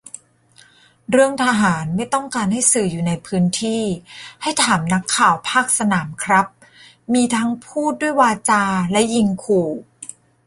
เรื่องทหารไม่ต้องการให้สื่ออยู่ในพื้นที่ ให้ถามนักข่าวภาคสนามครับ มีทั้งพูดด้วยวาจา และยิงขู่